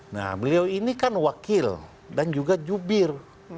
nah beliau ini kan wakil dan juga jubir